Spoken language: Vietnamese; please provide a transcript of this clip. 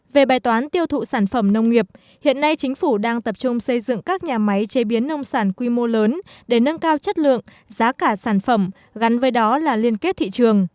về bài toán tiêu thụ sản phẩm nông nghiệp hiện nay chính phủ đang tập trung xây dựng các nhà máy chế biến nông sản quy mô lớn để nâng cao chất lượng giá cả sản phẩm gắn với đó là liên kết thị trường